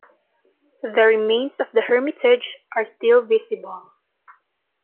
The remains of the hermitage are still visible.